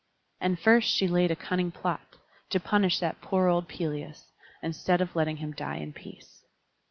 And first she laid a cunning plot, to punish that poor old Pelias, instead of letting him die in peace.